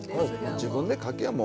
自分でかけもう。